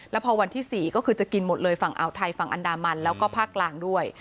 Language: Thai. แล้วพอวันที่๔ก็คือจะกินหมดเลยฝั่งอ่าวไทยฝั่งอันดามันแล้วก็ภาคกลางด้วย